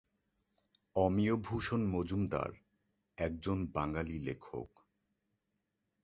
অমিয়ভূষণ মজুমদার একজন বাঙালি লেখক।